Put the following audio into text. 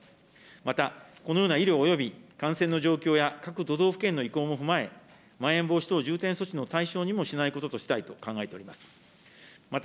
また、このような医療および感染の状況や各都道府県の意向も踏まえ、まん延防止等重点措置の対象にもしないこととしたいと考えております。